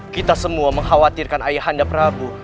kita semua mengkhawatirkan ayah anda prabu